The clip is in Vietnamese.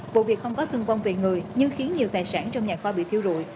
vụ việc không có thương vong về người nhưng khiến nhiều tài sản trong nhà kho bị thiêu rụi